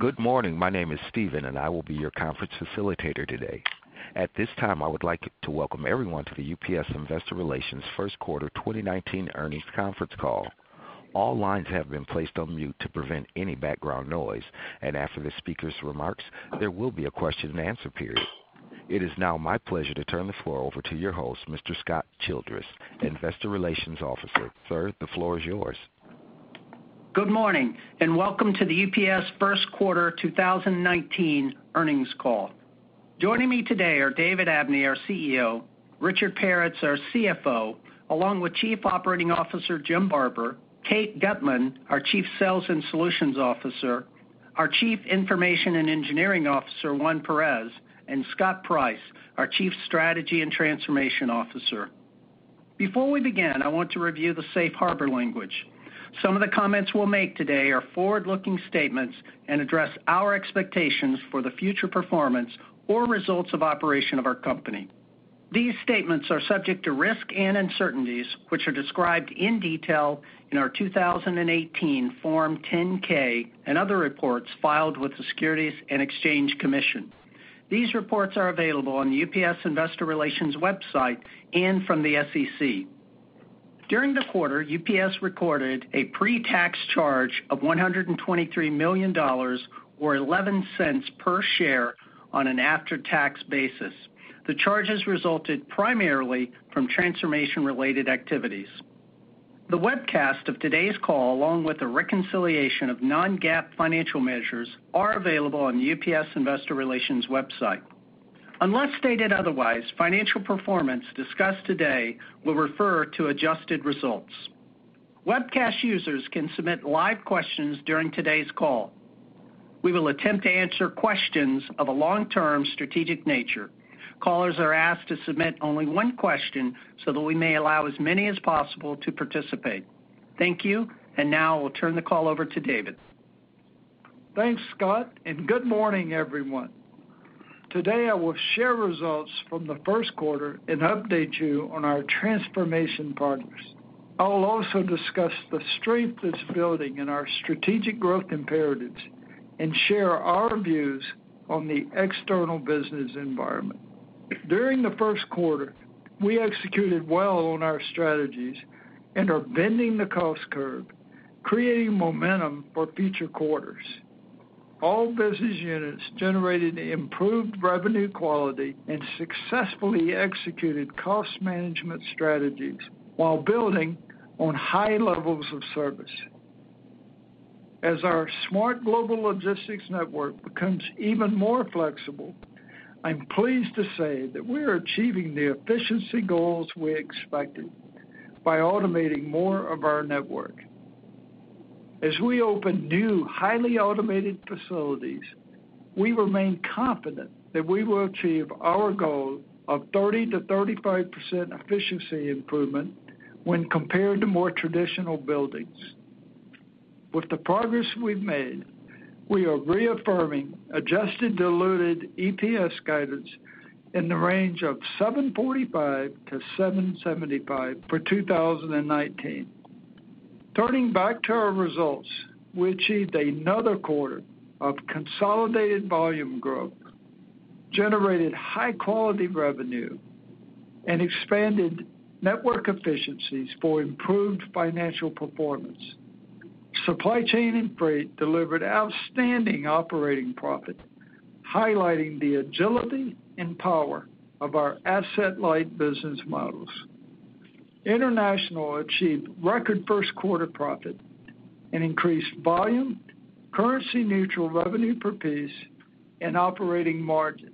Good morning. My name is Steven and I will be your conference facilitator today. At this time, I would like to welcome everyone to the UPS Investor Relations First Quarter 2019 Earnings Conference Call. All lines have been placed on mute to prevent any background noise, and after the speaker's remarks, there will be a question and answer period. It is now my pleasure to turn the floor over to your host, Mr. Scott Childress, Investor Relations Officer. Sir, the floor is yours. Good morning. Welcome to the UPS First Quarter 2019 Earnings Call. Joining me today are David Abney, our CEO, Richard Peretz, our CFO, along with Chief Operating Officer Jim Barber, Kate Gutmann, our Chief Sales and Solutions Officer, our Chief Information and Engineering Officer, Juan Perez, and Scott Price, our Chief Strategy and Transformation Officer. Before we begin, I want to review the safe harbor language. Some of the comments we'll make today are forward-looking statements and address our expectations for the future performance or results of operation of our company. These statements are subject to risks and uncertainties, which are described in detail in our 2018 Form 10-K and other reports filed with the Securities and Exchange Commission. These reports are available on the UPS Investor Relations website and from the SEC. During the quarter, UPS recorded a pre-tax charge of $123 million, or $0.11 per share on an after-tax basis. The charges resulted primarily from transformation-related activities. The webcast of today's call, along with a reconciliation of non-GAAP financial measures, are available on the UPS Investor Relations website. Unless stated otherwise, financial performance discussed today will refer to adjusted results. Webcast users can submit live questions during today's call. We will attempt to answer questions of a long-term strategic nature. Callers are asked to submit only one question so that we may allow as many as possible to participate. Thank you. Now I will turn the call over to David. Thanks, Scott. Good morning, everyone. Today, I will share results from the first quarter and update you on our transformation partners. I will also discuss the strength that's building in our strategic growth imperatives and share our views on the external business environment. During the first quarter, we executed well on our strategies and are bending the cost curve, creating momentum for future quarters. All business units generated improved revenue quality and successfully executed cost management strategies while building on high levels of service. As our smart global logistics network becomes even more flexible, I'm pleased to say that we're achieving the efficiency goals we expected by automating more of our network. As we open new, highly automated facilities, we remain confident that we will achieve our goal of 30%-35% efficiency improvement when compared to more traditional buildings. With the progress we've made, we are reaffirming adjusted diluted EPS guidance in the range of $7.45 to $7.75 for 2019. Turning back to our results, we achieved another quarter of consolidated volume growth, generated high-quality revenue, and expanded network efficiencies for improved financial performance. Supply chain and freight delivered outstanding operating profit, highlighting the agility and power of our asset-light business models. International achieved record first quarter profit and increased volume, currency neutral revenue per piece, and operating margins.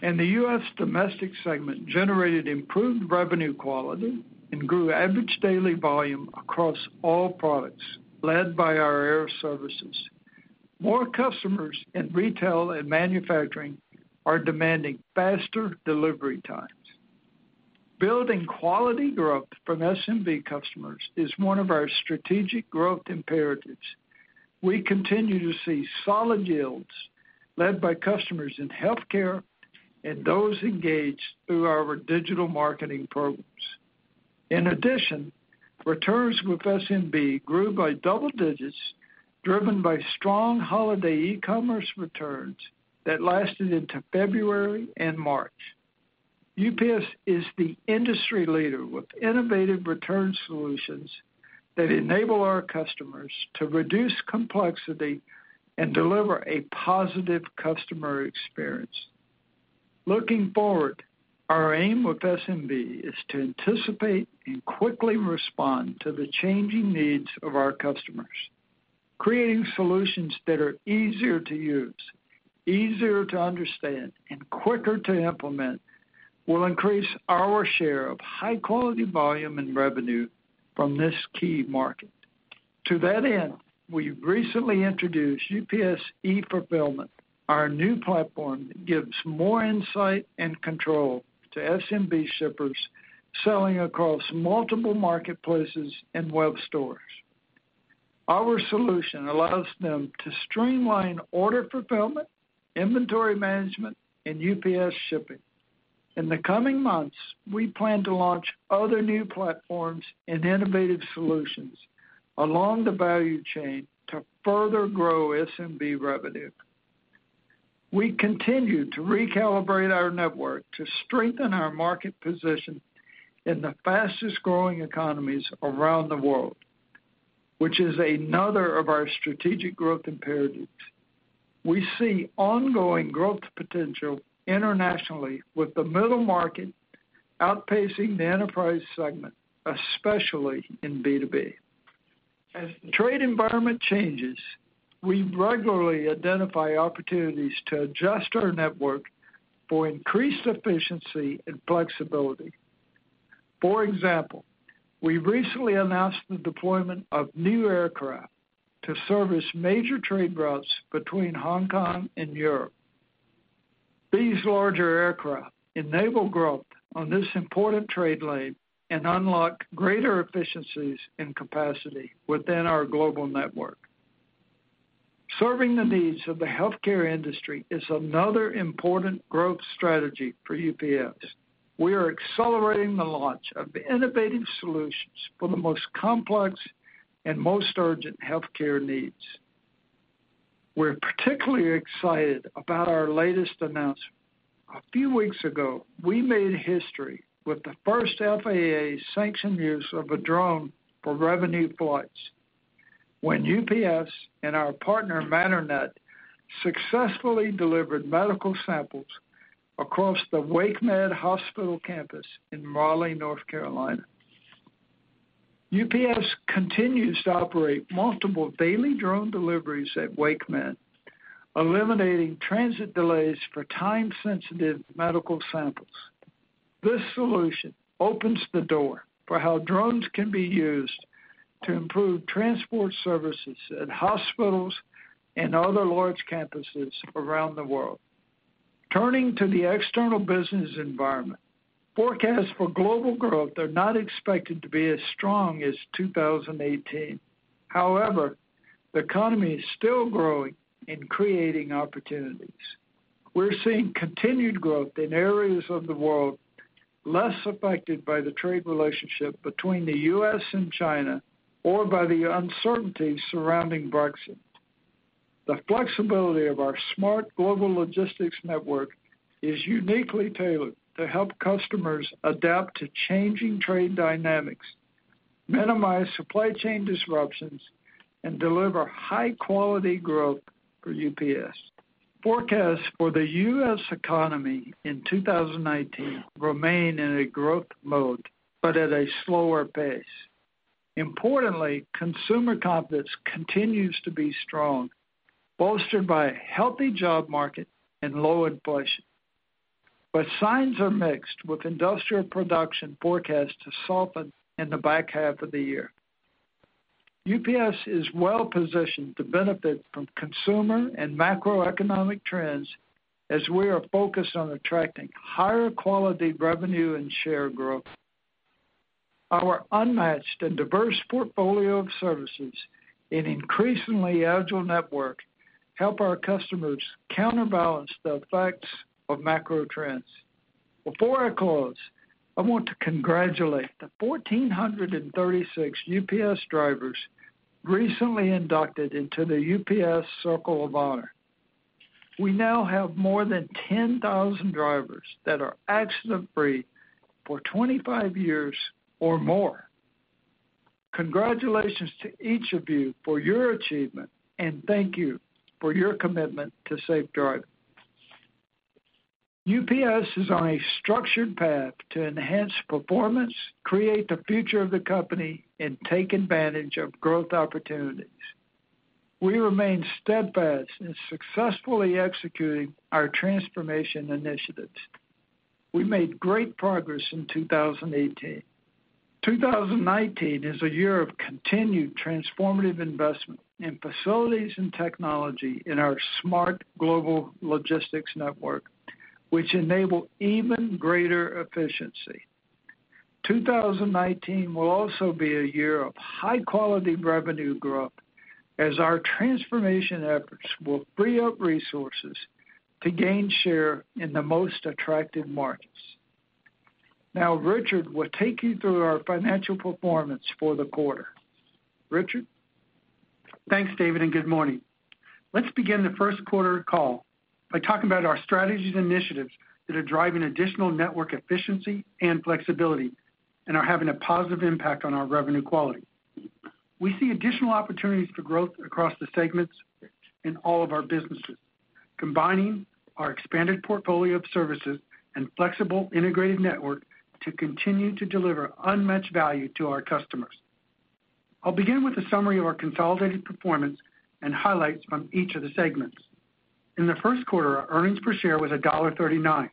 The U.S. domestic segment generated improved revenue quality and grew average daily volume across all products led by our air services. More customers in retail and manufacturing are demanding faster delivery times. Building quality growth from SMB customers is one of our strategic growth imperatives. We continue to see solid yields led by customers in healthcare and those engaged through our digital marketing programs. In addition, returns with SMB grew by double digits, driven by strong holiday e-commerce returns that lasted into February and March. UPS is the industry leader with innovative return solutions that enable our customers to reduce complexity and deliver a positive customer experience. Looking forward, our aim with SMB is to anticipate and quickly respond to the changing needs of our customers. Creating solutions that are easier to use, easier to understand, and quicker to implement will increase our share of high-quality volume and revenue from this key market. To that end, we've recently introduced UPS eFulfillment, our new platform that gives more insight and control to SMB shippers selling across multiple marketplaces and web stores. Our solution allows them to streamline order fulfillment, inventory management, and UPS shipping. In the coming months, we plan to launch other new platforms and innovative solutions along the value chain to further grow SMB revenue. We continue to recalibrate our network to strengthen our market position in the fastest-growing economies around the world, which is another of our strategic growth imperatives. We see ongoing growth potential internationally with the middle market outpacing the enterprise segment, especially in B2B. As the trade environment changes, we regularly identify opportunities to adjust our network for increased efficiency and flexibility. For example, we recently announced the deployment of new aircraft to service major trade routes between Hong Kong and Europe. These larger aircraft enable growth on this important trade lane and unlock greater efficiencies and capacity within our global network. Serving the needs of the healthcare industry is another important growth strategy for UPS. We are accelerating the launch of innovative solutions for the most complex and most urgent healthcare needs. We're particularly excited about our latest announcement. A few weeks ago, we made history with the first FAA-sanctioned use of a drone for revenue flights when UPS and our partner, Matternet, successfully delivered medical samples across the WakeMed campus in Raleigh, North Carolina. UPS continues to operate multiple daily drone deliveries at WakeMed, eliminating transit delays for time-sensitive medical samples. This solution opens the door for how drones can be used to improve transport services at hospitals and other large campuses around the world. Turning to the external business environment, forecasts for global growth are not expected to be as strong as 2018. However, the economy is still growing and creating opportunities. We're seeing continued growth in areas of the world less affected by the trade relationship between the U.S. and China or by the uncertainty surrounding Brexit. The flexibility of our smart global logistics network is uniquely tailored to help customers adapt to changing trade dynamics, minimize supply chain disruptions, and deliver high-quality growth for UPS. Forecasts for the U.S. economy in 2019 remain in a growth mode, but at a slower pace. Importantly, consumer confidence continues to be strong, bolstered by a healthy job market and low inflation. But signs are mixed, with industrial production forecast to soften in the back half of the year. UPS is well-positioned to benefit from consumer and macroeconomic trends as we are focused on attracting higher-quality revenue and share growth. Our unmatched and diverse portfolio of services and increasingly agile network help our customers counterbalance the effects of macro trends. Before I close, I want to congratulate the 1,436 UPS drivers recently inducted into the UPS Circle of Honor. We now have more than 10,000 drivers that are accident-free for 25 years or more. Congratulations to each of you for your achievement, and thank you for your commitment to safe driving. UPS is on a structured path to enhance performance, create the future of the company, and take advantage of growth opportunities. We remain steadfast in successfully executing our transformation initiatives. We made great progress in 2018. 2019 is a year of continued transformative investment in facilities and technology in our smart global logistics network, which enable even greater efficiency. 2019 will also be a year of high-quality revenue growth as our transformation efforts will free up resources to gain share in the most attractive markets. Now, Richard will take you through our financial performance for the quarter. Richard? Thanks, David, and good morning. Let's begin the first quarter call by talking about our strategies initiatives that are driving additional network efficiency and flexibility and are having a positive impact on our revenue quality. We see additional opportunities for growth across the segments in all of our businesses, combining our expanded portfolio of services and flexible integrated network to continue to deliver unmatched value to our customers. I'll begin with a summary of our consolidated performance and highlights from each of the segments. In the first quarter, our earnings per share was $1.39.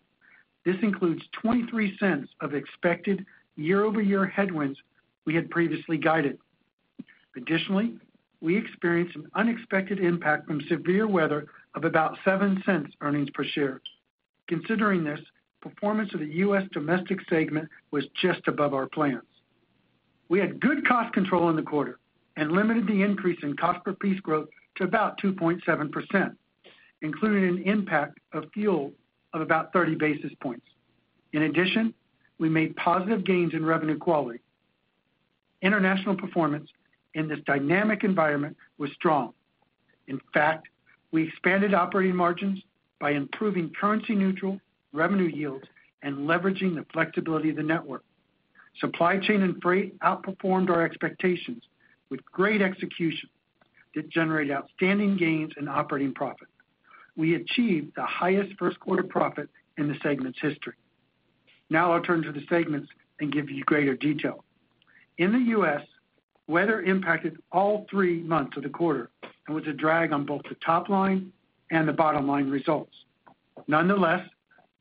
This includes $0.23 of expected year-over-year headwinds we had previously guided. Additionally, we experienced an unexpected impact from severe weather of about $0.07 earnings per share. Considering this, performance of the U.S. domestic segment was just above our plans. We had good cost control in the quarter and limited the increase in cost per piece growth to about 2.7%, including an impact of fuel of about 30 basis points. In addition, we made positive gains in revenue quality. International performance in this dynamic environment was strong. In fact, we expanded operating margins by improving currency neutral revenue yields and leveraging the flexibility of the network. Supply chain and freight outperformed our expectations with great execution that generated outstanding gains in operating profit. We achieved the highest first quarter profit in the segment's history. Now I'll turn to the segments and give you greater detail. In the U.S., weather impacted all three months of the quarter and was a drag on both the top line and the bottom line results. Nonetheless,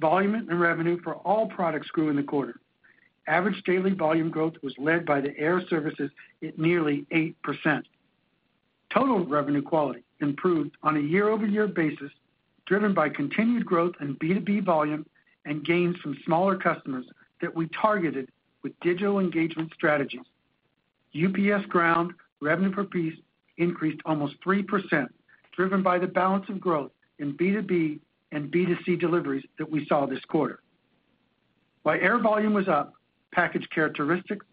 volume and revenue for all products grew in the quarter. Average daily volume growth was led by the air services at nearly 8%. Total revenue quality improved on a year-over-year basis, driven by continued growth in B2B volume and gains from smaller customers that we targeted with digital engagement strategies. UPS Ground revenue per piece increased almost 3%, driven by the balance of growth in B2B and B2C deliveries that we saw this quarter. While air volume was up, package characteristics,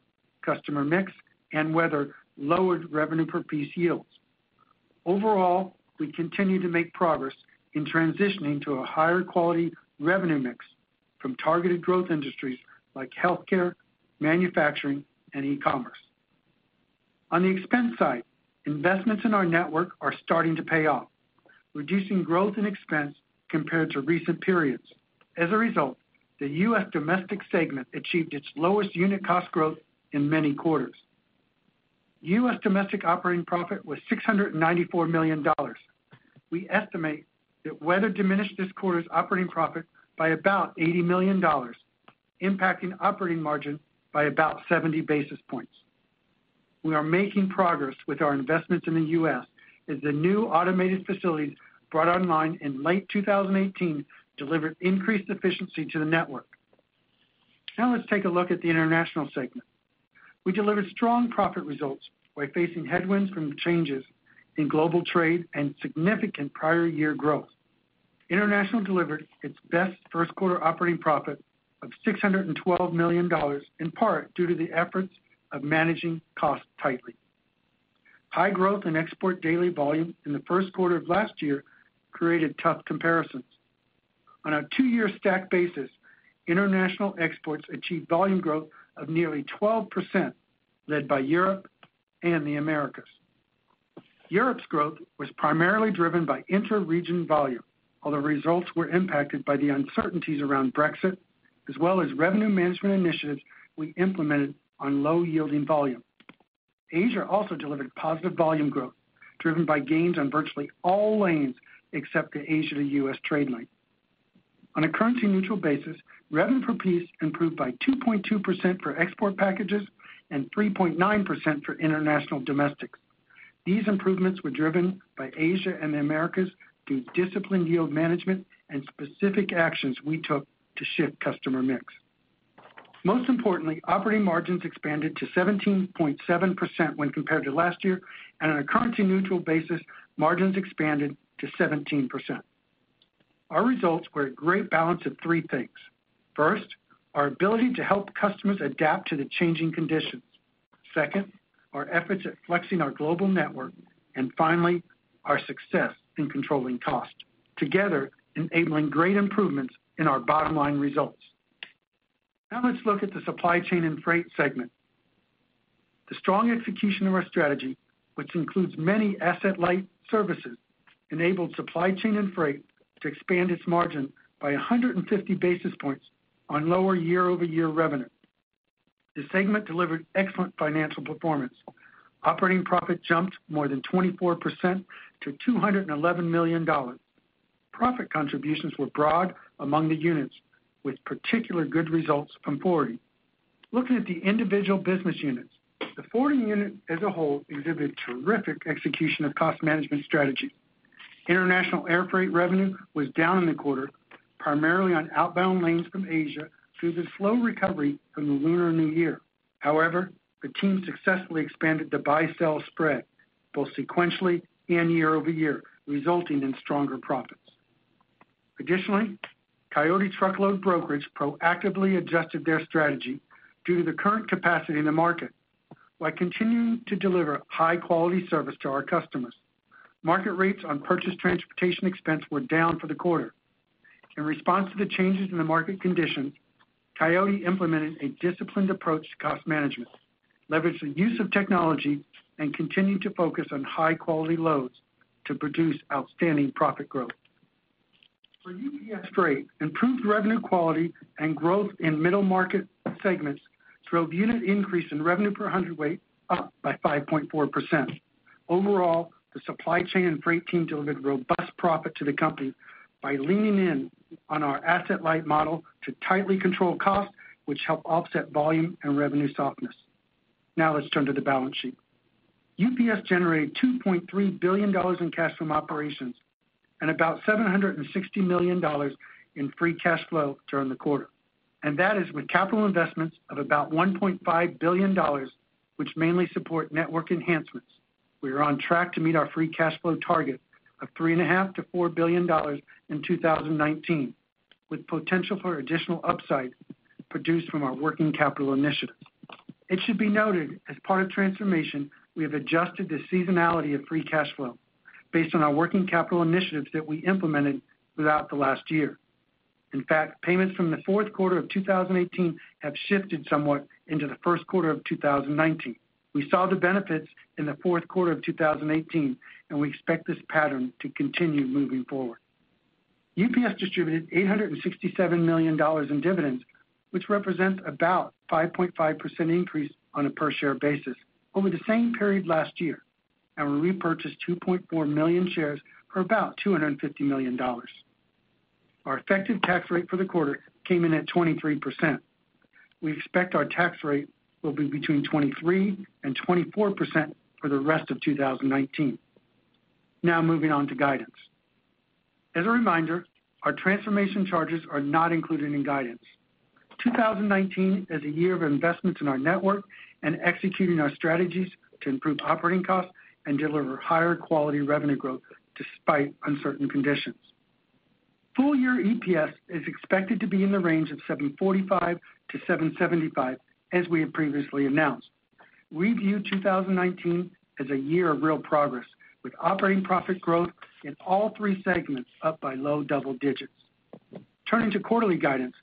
customer mix, and weather lowered revenue per piece yields. Overall, we continue to make progress in transitioning to a higher quality revenue mix from targeted growth industries like healthcare, manufacturing, and e-commerce. On the expense side, investments in our network are starting to pay off, reducing growth and expense compared to recent periods. As a result, the U.S. domestic segment achieved its lowest unit cost growth in many quarters. U.S. domestic operating profit was $694 million. We estimate that weather diminished this quarter's operating profit by about $80 million, impacting operating margin by about 70 basis points. We are making progress with our investments in the U.S. as the new automated facilities brought online in late 2018 delivered increased efficiency to the network. Let's take a look at the international segment. We delivered strong profit results while facing headwinds from changes in global trade and significant prior year growth. International delivered its best first quarter operating profit of $612 million, in part due to the efforts of managing costs tightly. High growth in export daily volume in the first quarter of last year created tough comparisons. On a two-year stack basis, international exports achieved volume growth of nearly 12%, led by Europe and the Americas. Europe's growth was primarily driven by inter-region volume, although results were impacted by the uncertainties around Brexit, as well as revenue management initiatives we implemented on low yielding volume. Asia also delivered positive volume growth, driven by gains on virtually all lanes except the Asia to U.S. trade lane. On a currency neutral basis, revenue per piece improved by 2.2% for export packages and 3.9% for international domestic. These improvements were driven by Asia and the Americas through disciplined yield management and specific actions we took to shift customer mix. Most importantly, operating margins expanded to 17.7% when compared to last year, and on a currency neutral basis, margins expanded to 17%. Our results were a great balance of three things. First, our ability to help customers adapt to the changing conditions. Second, our efforts at flexing our global network, finally, our success in controlling cost. Enabling great improvements in our bottom line results. Let's look at the supply chain and freight segment. The strong execution of our strategy, which includes many asset light services, enabled supply chain and freight to expand its margin by 150 basis points on lower year-over-year revenue. The segment delivered excellent financial performance. Operating profit jumped more than 24% to $211 million. Profit contributions were broad among the units, with particular good results from Forwarding. Looking at the individual business units, the Forwarding unit as a whole exhibited terrific execution of cost management strategy. International air freight revenue was down in the quarter, primarily on outbound lanes from Asia due to the slow recovery from the Lunar New Year. The team successfully expanded the buy-sell spread both sequentially and year-over-year, resulting in stronger profits. Additionally, Coyote Truckload brokerage proactively adjusted their strategy due to the current capacity in the market while continuing to deliver high-quality service to our customers. Market rates on purchase transportation expense were down for the quarter. In response to the changes in the market conditions, Coyote implemented a disciplined approach to cost management, leveraged the use of technology, and continued to focus on high-quality loads to produce outstanding profit growth. For UPS Freight, improved revenue quality and growth in middle market segments drove unit increase in revenue per hundred weight up by 5.4%. Overall, the supply chain and freight team delivered robust profit to the company by leaning in on our asset-light model to tightly control costs, which help offset volume and revenue softness. Let's turn to the balance sheet. UPS generated $2.3 billion in cash from operations and about $760 million in free cash flow during the quarter. That is with capital investments of about $1.5 billion, which mainly support network enhancements. We are on track to meet our free cash flow target of $3.5 billion to $4 billion in 2019, with potential for additional upside produced from our working capital initiatives. It should be noted, as part of transformation, we have adjusted the seasonality of free cash flow based on our working capital initiatives that we implemented throughout the last year. In fact, payments from the fourth quarter of 2018 have shifted somewhat into the first quarter of 2019. We saw the benefits in the fourth quarter of 2018, we expect this pattern to continue moving forward. UPS distributed $867 million in dividends, which represents about 5.5% increase on a per share basis over the same period last year, and we repurchased 2.4 million shares for about $250 million. Our effective tax rate for the quarter came in at 23%. We expect our tax rate will be between 23% and 24% for the rest of 2019. Moving on to guidance. As a reminder, our transformation charges are not included in guidance. 2019 is a year of investments in our network and executing our strategies to improve operating costs and deliver higher-quality revenue growth despite uncertain conditions. Full year EPS is expected to be in the range of $7.45 to $7.75, as we had previously announced. We view 2019 as a year of real progress with operating profit growth in all three segments up by low double digits. Turning to quarterly guidance,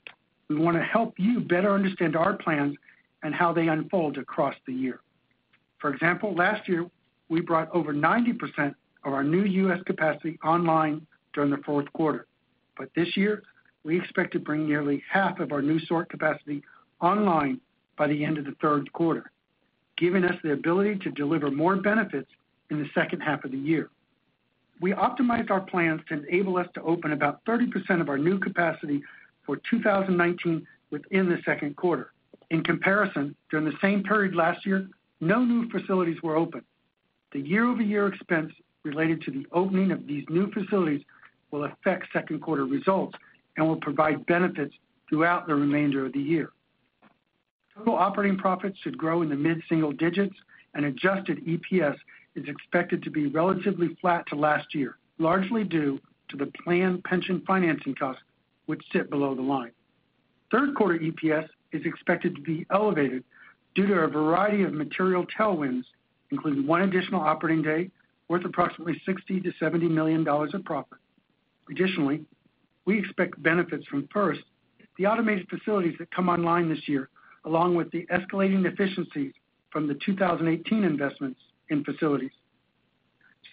we want to help you better understand our plans and how they unfold across the year. For example, last year, we brought over 90% of our new U.S. capacity online during the fourth quarter. This year, we expect to bring nearly half of our new sort capacity online by the end of the third quarter, giving us the ability to deliver more benefits in the second half of the year. We optimized our plans to enable us to open about 30% of our new capacity for 2019 within the second quarter. In comparison, during the same period last year, no new facilities were open. The year-over-year expense related to the opening of these new facilities will affect second quarter results and will provide benefits throughout the remainder of the year. Total operating profits should grow in the mid-single digits. Adjusted EPS is expected to be relatively flat to last year, largely due to the planned pension financing cost, which sit below the line. Third quarter EPS is expected to be elevated due to a variety of material tailwinds, including one additional operating day worth approximately $60 million-$70 million of profit. Additionally, we expect benefits from, first, the automated facilities that come online this year, along with the escalating efficiencies from the 2018 investments in facilities.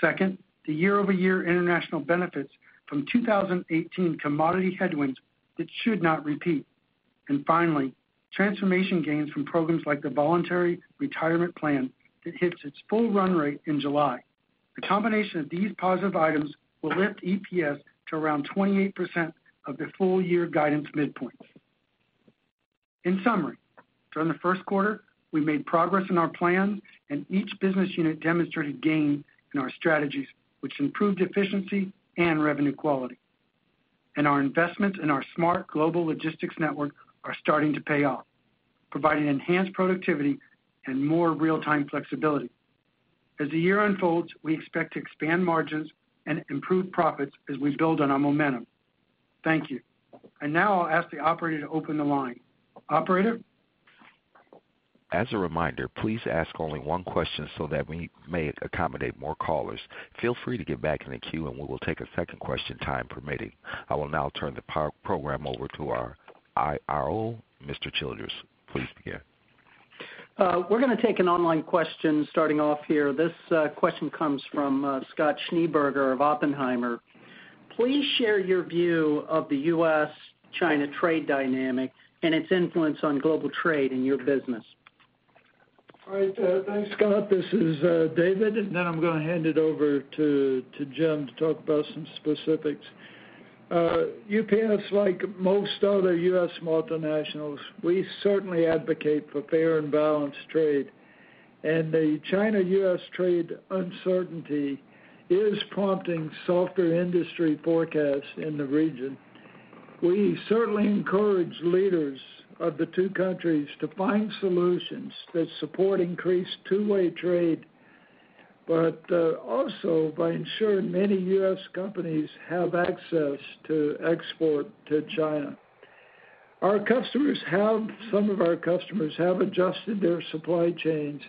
Second, the year-over-year international benefits from 2018 commodity headwinds that should not repeat. Finally, transformation gains from programs like the voluntary retirement plan that hits its full run rate in July. The combination of these positive items will lift EPS to around 28% of the full year guidance midpoint. In summary, during the first quarter, we made progress in our plans. Each business unit demonstrated gain in our strategies, which improved efficiency and revenue quality. Our investments in our smart global logistics network are starting to pay off, providing enhanced productivity and more real-time flexibility. As the year unfolds, we expect to expand margins and improve profits as we build on our momentum. Thank you. Now I'll ask the operator to open the line. Operator? As a reminder, please ask only one question so that we may accommodate more callers. Feel free to get back in the queue and we will take a second question, time permitting. I will now turn the program over to our IRO, Mr. Childress. Please begin. We're going to take an online question starting off here. This question comes from Scott Schneeberger of Oppenheimer. Please share your view of the U.S.-China trade dynamic and its influence on global trade and your business. Thanks, Scott. This is David. Then I'm going to hand it over to Jim to talk about some specifics. UPS, like most other U.S. multinationals, we certainly advocate for fair and balanced trade. The China-U.S. trade uncertainty is prompting softer industry forecasts in the region. We certainly encourage leaders of the two countries to find solutions that support increased two-way trade, also by ensuring many U.S. companies have access to export to China. Some of our customers have adjusted their supply chains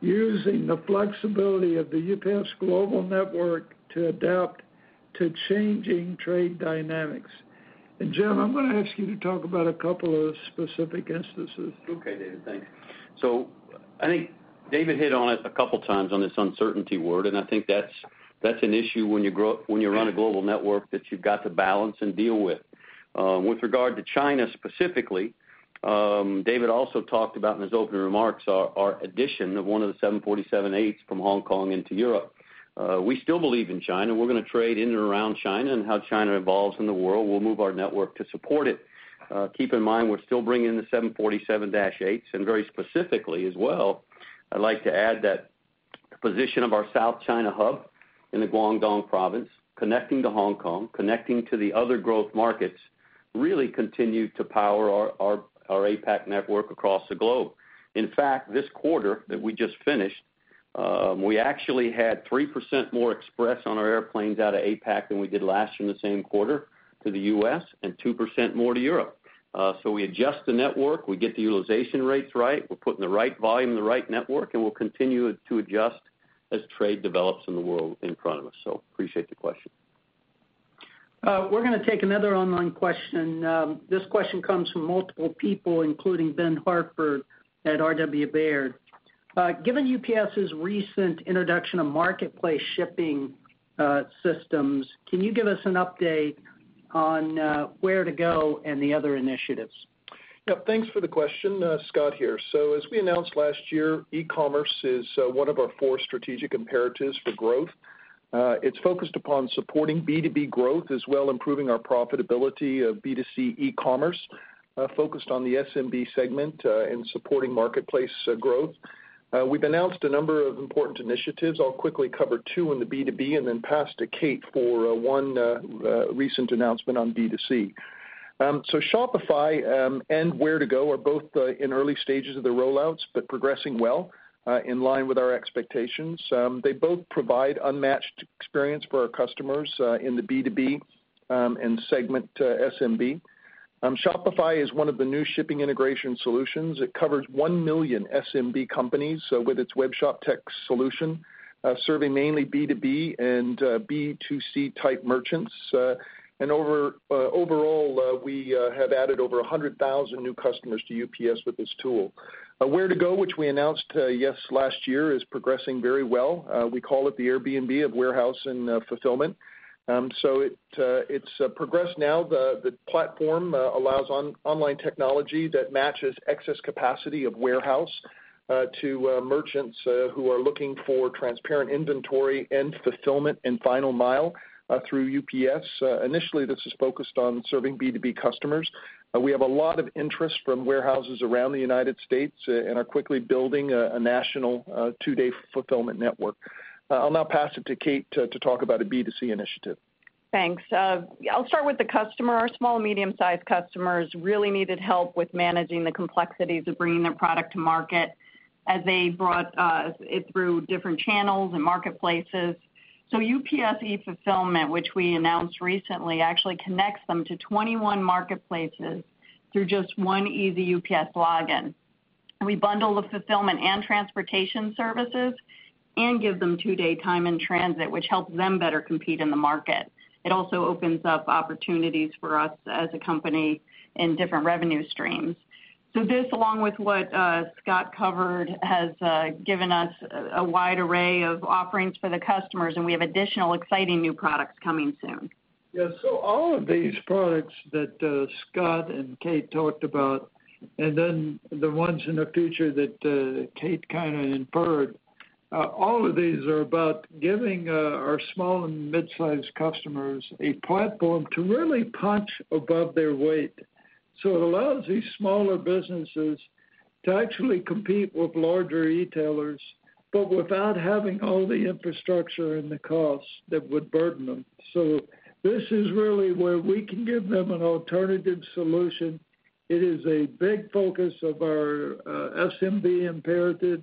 using the flexibility of the UPS global network to adapt to changing trade dynamics. Jim, I'm going to ask you to talk about a couple of specific instances. Okay, David. Thanks. I think David hit on it a couple of times on this uncertainty word, and I think that's an issue when you run a global network that you've got to balance and deal with. With regard to China specifically, David also talked about in his opening remarks, our addition of one of the 747-8 from Hong Kong into Europe. We still believe in China. We're going to trade in and around China. How China evolves in the world, we'll move our network to support it. Keep in mind, we're still bringing the 747-8. Very specifically as well, I'd like to add that the position of our South China hub in the Guangdong Province, connecting to Hong Kong, connecting to the other growth markets, really continue to power our APAC network across the globe. In fact, this quarter that we just finished, we actually had 3% more express on our airplanes out of APAC than we did last year in the same quarter to the U.S., and 2% more to Europe. We adjust the network, we get the utilization rates right, we're putting the right volume in the right network. We'll continue to adjust as trade develops in the world in front of us. Appreciate the question. We're going to take another online question. This question comes from multiple people, including Ben Hartford at R.W. Baird. Given UPS's recent introduction of marketplace shipping systems, can you give us an update on Ware2Go and the other initiatives? Thanks for the question. Scott here. As we announced last year, e-commerce is one of our four strategic imperatives for growth. It's focused upon supporting B2B growth, as well improving our profitability of B2C e-commerce, focused on the SMB segment, and supporting marketplace growth. We've announced a number of important initiatives. I'll quickly cover two in the B2B and then pass to Kate for one recent announcement on B2C. Shopify and Ware2Go are both in early stages of their rollouts, but progressing well, in line with our expectations. They both provide unmatched experience for our customers in the B2B and SMB segment. Shopify is one of the new shipping integration solutions. It covers 1 million SMB companies with its web shop tech solution, serving mainly B2B and B2C-type merchants. Overall, we have added over 100,000 new customers to UPS with this tool. Ware2Go, which we announced, yes, last year, is progressing very well. We call it the Airbnb of warehouse and fulfillment. It's progressed now. The platform allows online technology that matches excess capacity of warehouse to merchants who are looking for transparent inventory and fulfillment and final mile through UPS. Initially, this is focused on serving B2B customers. We have a lot of interest from warehouses around the U.S. and are quickly building a national two-day fulfillment network. I'll now pass it to Kate to talk about a B2C initiative. Thanks. I'll start with the customer. Our small, medium-sized customers really needed help with managing the complexities of bringing their product to market as they brought it through different channels and marketplaces. UPS eFulfillment, which we announced recently, actually connects them to 21 marketplaces through just one easy UPS login. We bundle the fulfillment and transportation services and give them two-day time in transit, which helps them better compete in the market. It also opens up opportunities for us as a company in different revenue streams. This, along with what Scott covered, has given us a wide array of offerings for the customers, and we have additional exciting new products coming soon. All of these products that Scott and Kate talked about, and then the ones in the future that Kate kind of inferred, all of these are about giving our small and mid-size customers a platform to really punch above their weight. It allows these smaller businesses to actually compete with larger retailers, but without having all the infrastructure and the costs that would burden them. This is really where we can give them an alternative solution. It is a big focus of our SMB imperative,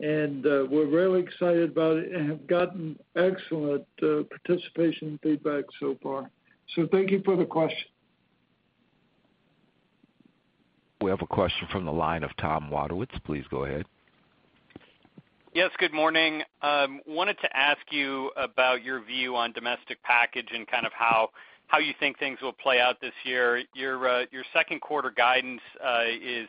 and we're really excited about it and have gotten excellent participation and feedback so far. Thank you for the question. We have a question from the line of Tom Wadewitz. Please go ahead. Yes, good morning. Wanted to ask you about your view on domestic package and how you think things will play out this year. Your second quarter guidance is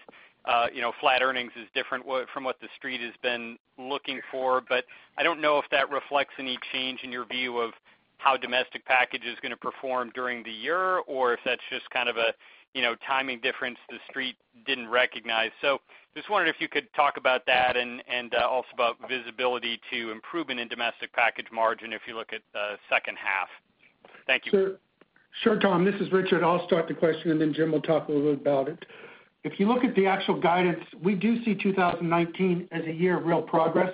flat earnings is different from what The Street has been looking for, but I don't know if that reflects any change in your view of how domestic package is going to perform during the year, or if that's just a timing difference The Street didn't recognize. Just wondered if you could talk about that and also about visibility to improvement in domestic package margin if you look at the second half. Thank you. Sure, Tom. This is Richard. I'll start the question, and then Jim will talk a little bit about it. If you look at the actual guidance, we do see 2019 as a year of real progress.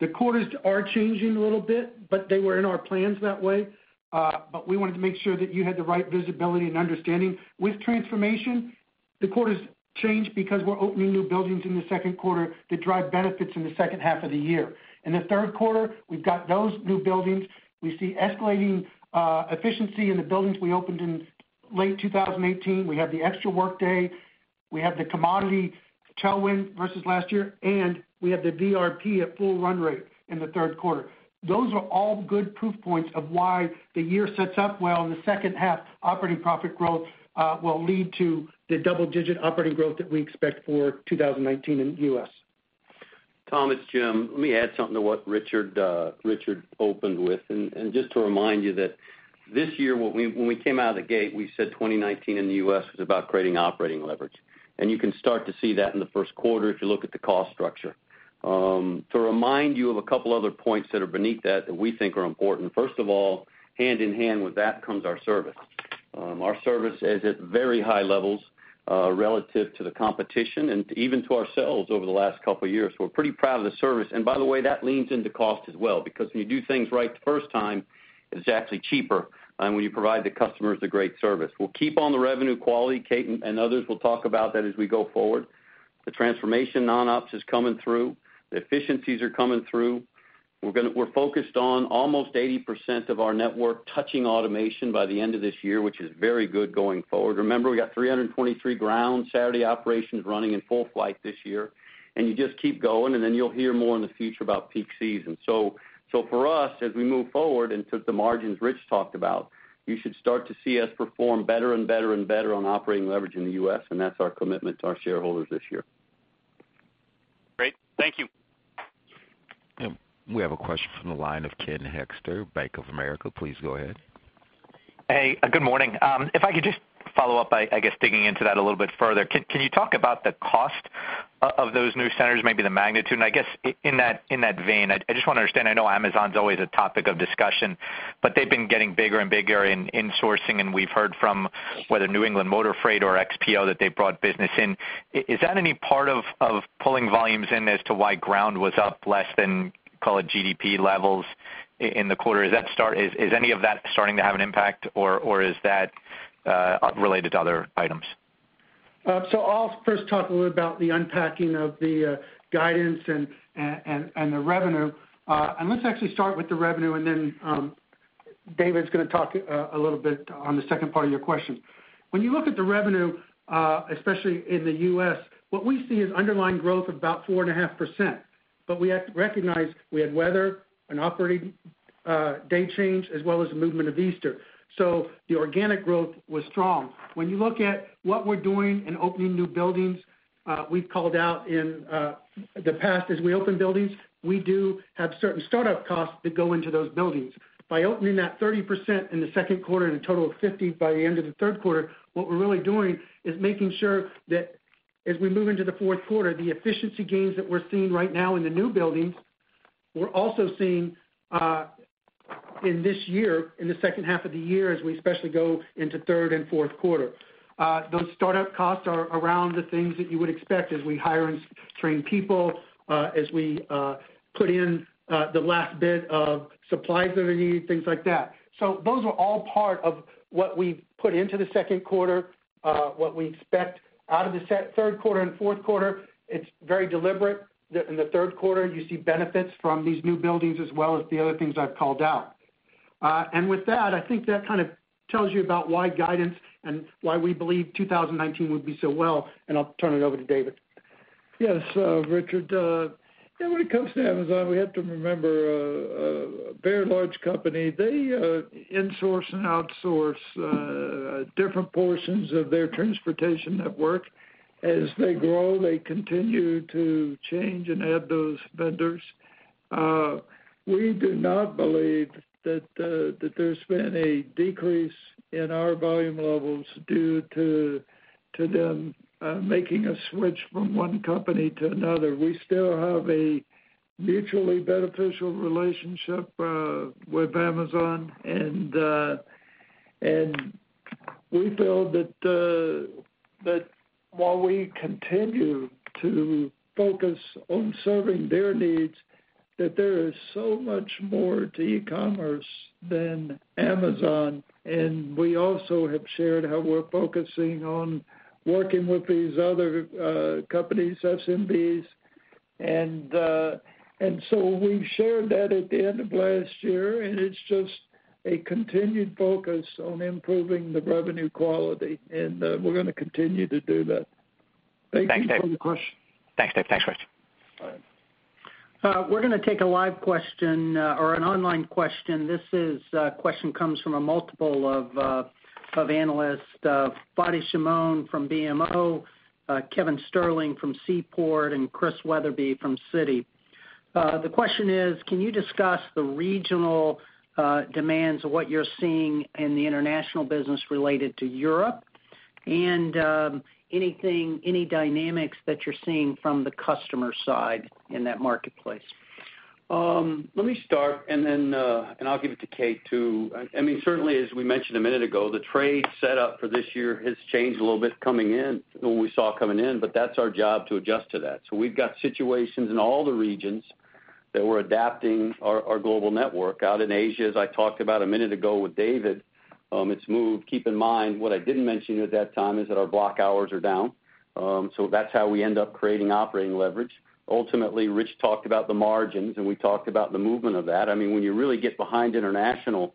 The quarters are changing a little bit, but they were in our plans that way. We wanted to make sure that you had the right visibility and understanding. With transformation, the quarters change because we're opening new buildings in the second quarter that drive benefits in the second half of the year. In the third quarter, we've got those new buildings. We see escalating efficiency in the buildings we opened in late 2018. We have the extra workday. We have the commodity tailwind versus last year, and we have the DRP at full run rate in the third quarter. Those are all good proof points of why the year sets up well in the second half. Operating profit growth will lead to the double-digit operating growth that we expect for 2019 in the U.S. Tom, it's Jim. Let me add something to what Richard opened with. Just to remind you that this year, when we came out of the gate, we said 2019 in the U.S. was about creating operating leverage. You can start to see that in the first quarter if you look at the cost structure. To remind you of a couple other points that are beneath that we think are important. First of all, hand in hand with that comes our service. Our service is at very high levels relative to the competition and even to ourselves over the last couple of years. We're pretty proud of the service. By the way, that leans into cost as well, because when you do things right the first time, it's actually cheaper when you provide the customers the great service. We'll keep on the revenue quality. Kate and others will talk about that as we go forward. The transformation non-ops is coming through. The efficiencies are coming through. We're focused on almost 80% of our network touching automation by the end of this year, which is very good going forward. Remember, we got 323 ground Saturday operations running in full flight this year. You just keep going, and then you'll hear more in the future about peak season. For us, as we move forward into the margins Rich talked about, you should start to see us perform better and better on operating leverage in the U.S., and that's our commitment to our shareholders this year. Great. Thank you. We have a question from the line of Ken Hoexter, Bank of America. Please go ahead. Good morning. If I could just follow up by, I guess, digging into that a little bit further. Can you talk about the cost of those new centers, maybe the magnitude? I guess in that vein, I just want to understand, I know Amazon is always a topic of discussion, but they've been getting bigger and bigger in insourcing, and we've heard from whether New England Motor Freight or XPO that they brought business in. Is that any part of pulling volumes in as to why ground was up less than, call it GDP levels in the quarter? Is any of that starting to have an impact or is that related to other items? I'll first talk a little about the unpacking of the guidance and the revenue. Let's actually start with the revenue and then David's going to talk a little bit on the second part of your question. When you look at the revenue, especially in the U.S., what we see is underlying growth of about 4.5%. We have to recognize we had weather, an operating day change, as well as the movement of Easter. The organic growth was strong. When you look at what we're doing in opening new buildings, we've called out in the past, as we open buildings, we do have certain startup costs that go into those buildings. By opening that 30% in the second quarter and a total of 50 by the end of the third quarter, what we're really doing is making sure that as we move into the fourth quarter, the efficiency gains that we're seeing right now in the new buildings, we're also seeing in this year, in the second half of the year, as we especially go into third and fourth quarter. Those startup costs are around the things that you would expect as we hire and train people, as we put in the last bit of supplies that are needed, things like that. Those are all part of what we put into the second quarter, what we expect out of the third quarter and fourth quarter. It's very deliberate. In the third quarter, you see benefits from these new buildings as well as the other things I've called out. With that, I think that kind of tells you about why guidance and why we believe 2019 would be so well, and I'll turn it over to David. Yes, Richard. When it comes to Amazon, we have to remember, a very large company. They insource and outsource different portions of their transportation network. As they grow, they continue to change and add those vendors. We do not believe that there's been a decrease in our volume levels due to them making a switch from one company to another. We still have a mutually beneficial relationship with Amazon. We feel that while we continue to focus on serving their needs, that there is so much more to e-commerce than Amazon. We also have shared how we're focusing on working with these other companies, SMBs. We shared that at the end of last year, and it's just a continued focus on improving the revenue quality, and we're going to continue to do that. Thank you for the question. Thanks, David. Thanks, Richard. All right. We're going to take a live question or an online question. This question comes from a multiple of analysts, Fadi Chamoun from BMO, Kevin Sterling from Seaport, and Chris Wetherbee from Citi. The question is, can you discuss the regional demands of what you're seeing in the international business related to Europe and any dynamics that you're seeing from the customer side in that marketplace? Let me start. I'll give it to Kate, too. Certainly as we mentioned a minute ago, the trade setup for this year has changed a little bit coming in, when we saw coming in. That's our job to adjust to that. We've got situations in all the regions that we're adapting our global network. Out in Asia, as I talked about a minute ago with David, it's moved. Keep in mind, what I didn't mention at that time is that our block hours are down. That's how we end up creating operating leverage. Ultimately, Rich talked about the margins. We talked about the movement of that. When you really get behind international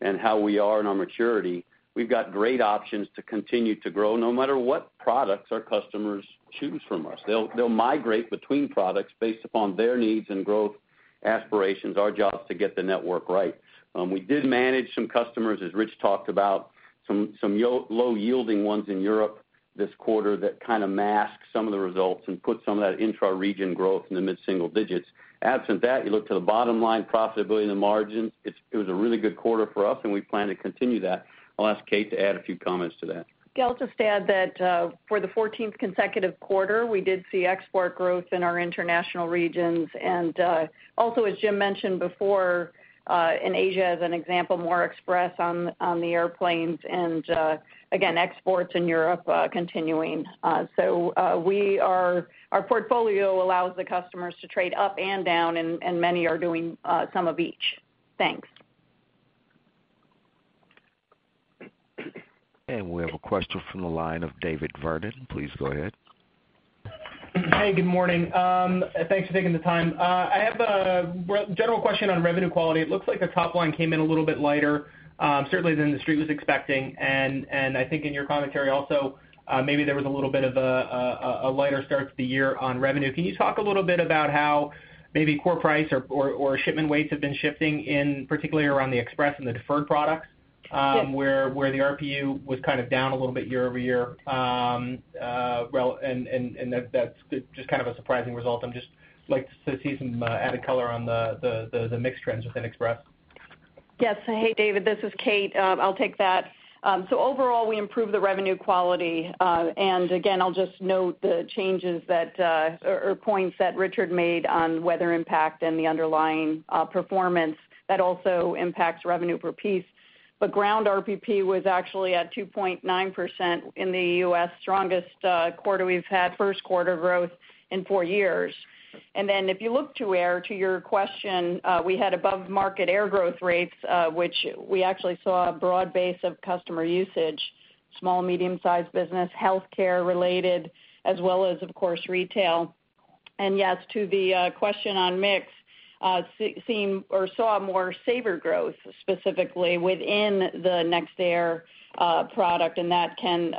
and how we are in our maturity, we've got great options to continue to grow, no matter what products our customers choose from us. They'll migrate between products based upon their needs and growth aspirations. Our job is to get the network right. We did manage some customers, as Rich talked about, some low-yielding ones in Europe this quarter that kind of masked some of the results and put some of that intra-region growth in the mid-single digits. Absent that, you look to the bottom line profitability and the margins. It was a really good quarter for us. We plan to continue that. I'll ask Kate to add a few comments to that. I'll just add that for the 14th consecutive quarter, we did see export growth in our international regions. As Jim mentioned before, in Asia, as an example, more express on the airplanes and again, exports in Europe continuing. Our portfolio allows the customers to trade up and down, and many are doing some of each. Thanks. We have a question from the line of David Vernon. Please go ahead. Hey, good morning. Thanks for taking the time. I have a general question on revenue quality. It looks like the top line came in a little bit lighter, certainly than the street was expecting. I think in your commentary also, maybe there was a little bit of a lighter start to the year on revenue. Can you talk a little bit about how maybe core price or shipment weights have been shifting in, particularly around the Express and the deferred products- Yes where the RPU was kind of down a little bit year-over-year. That's just kind of a surprising result. I'd just like to see some added color on the mix trends within Express. Yes. Hey, David. This is Kate. I'll take that. Overall, we improved the revenue quality. Again, I'll just note the changes that, or points that Richard made on weather impact and the underlying performance that also impacts revenue per piece. Ground RPP was actually at 2.9% in the U.S., strongest quarter we've had, first quarter growth in four years. If you look to air, to your question, we had above-market air growth rates, which we actually saw a broad base of customer usage, small, medium-sized business, healthcare related, as well as, of course, retail. Yes, to the question on mix, saw more saver growth, specifically within the Next Day Air product, and that can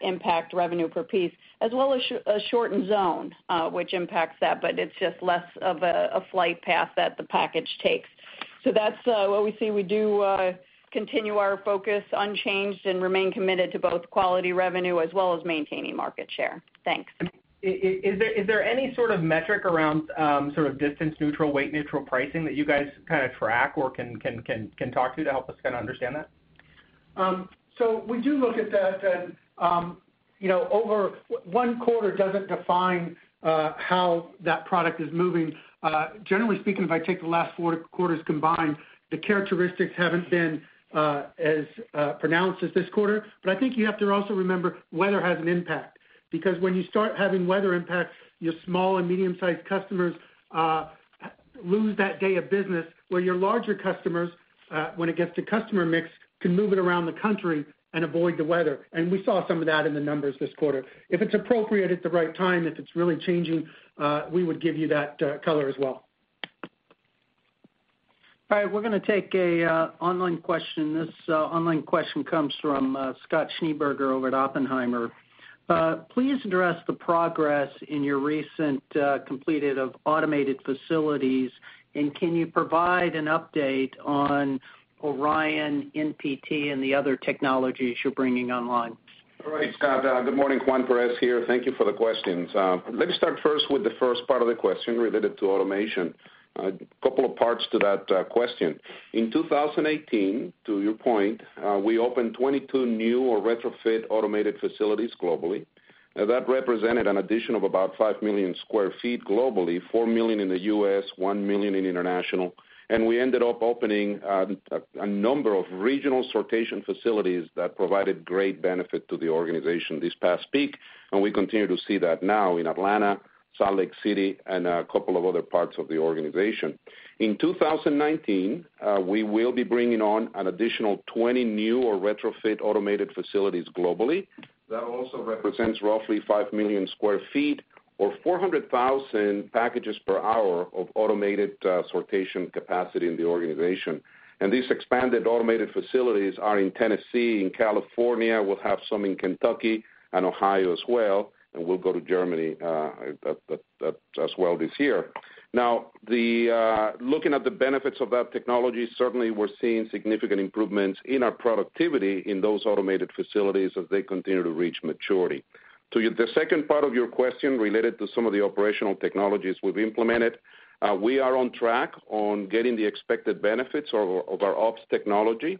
impact revenue per piece, as well as a shortened zone, which impacts that, but it's just less of a flight path that the package takes. That's what we see. We do continue our focus unchanged and remain committed to both quality revenue as well as maintaining market share. Thanks. Is there any sort of metric around distance neutral, weight neutral pricing that you guys track or can talk to help us understand that? We do look at that and one quarter doesn't define how that product is moving. Generally speaking, if I take the last four quarters combined, the characteristics haven't been as pronounced as this quarter. I think you have to also remember, weather has an impact because when you start having weather impacts, your small and medium-sized customers lose that day of business where your larger customers, when it gets to customer mix, can move it around the country and avoid the weather. We saw some of that in the numbers this quarter. If it's appropriate at the right time, if it's really changing, we would give you that color as well. All right. We're going to take an online question. This online question comes from Scott Schneeberger over at Oppenheimer. Please address the progress in your recent completed of automated facilities. Can you provide an update on ORION, NPT, and the other technologies you're bringing online? All right, Scott. Good morning. Juan Perez here. Thank you for the questions. Let me start first with the first part of the question related to automation. A couple of parts to that question. In 2018, to your point, we opened 22 new or retrofit automated facilities globally. That represented an addition of about 5 million square feet globally, 4 million in the U.S., 1 million in international. We ended up opening a number of regional sortation facilities that provided great benefit to the organization this past peak. We continue to see that now in Atlanta, Salt Lake City, and a couple of other parts of the organization. In 2019, we will be bringing on an additional 20 new or retrofit automated facilities globally. That also represents roughly 5 million square feet or 400,000 packages per hour of automated sortation capacity in the organization. These expanded automated facilities are in Tennessee, in California. We'll have some in Kentucky and Ohio as well, and we'll go to Germany as well this year. Looking at the benefits of that technology, certainly we're seeing significant improvements in our productivity in those automated facilities as they continue to reach maturity. To the second part of your question related to some of the operational technologies we've implemented, we are on track on getting the expected benefits of our ops technology.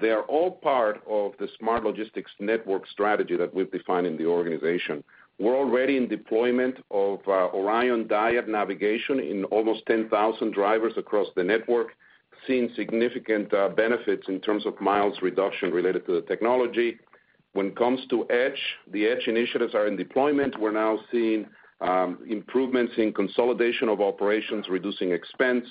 They are all part of the smart logistics network strategy that we've defined in the organization. We're already in deployment of ORION DIAD navigation in almost 10,000 drivers across the network, seeing significant benefits in terms of miles reduction related to the technology. When it comes to Edge, the Edge initiatives are in deployment. We're now seeing improvements in consolidation of operations, reducing expense,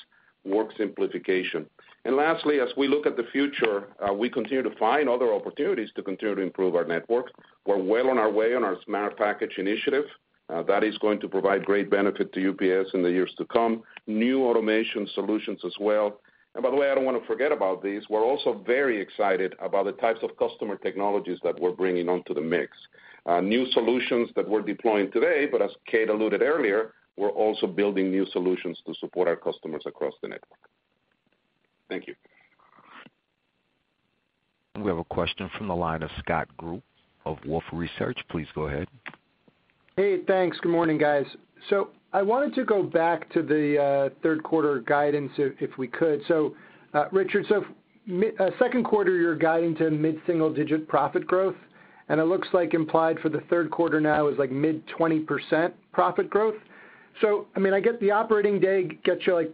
work simplification. Lastly, as we look at the future, we continue to find other opportunities to continue to improve our network. We're well on our way on our smart package initiative. That is going to provide great benefit to UPS in the years to come. New automation solutions as well. By the way, I don't want to forget about these. We're also very excited about the types of customer technologies that we're bringing onto the mix. New solutions that we're deploying today, but as Kate alluded earlier, we're also building new solutions to support our customers across the network. Thank you. We have a question from the line of Scott Group of Wolfe Research. Please go ahead. Hey, thanks. Good morning, guys. I wanted to go back to the third quarter guidance if we could. Richard, second quarter, you're guiding to mid-single digit profit growth, and it looks like implied for the third quarter now is mid-20% profit growth. I get the operating day gets you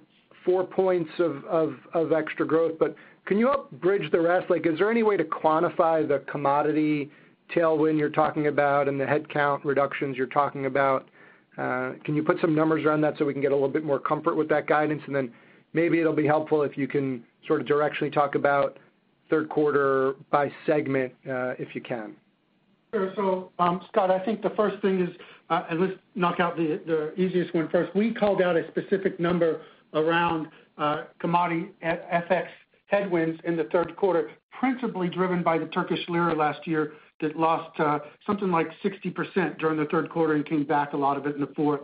four points of extra growth, but can you help bridge the rest? Is there any way to quantify the commodity tailwind you're talking about and the headcount reductions you're talking about? Can you put some numbers around that so we can get a little bit more comfort with that guidance? Then maybe it'll be helpful if you can sort of directionally talk about third quarter by segment, if you can. Sure, Scott, I think the first thing is, let's knock out the easiest one first. We called out a specific number around commodity FX headwinds in the third quarter, principally driven by the Turkish lira last year that lost something like 60% during the third quarter and came back a lot of it in the fourth,